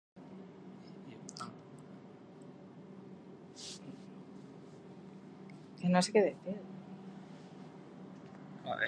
Television Distribution y se convirtió en Warner Bros.